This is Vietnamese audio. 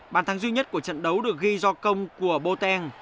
bàn thắng duy nhất của trận đấu được ghi do công của boteng